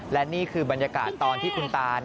และนี่คือบรรยากาศตอนที่คุณตา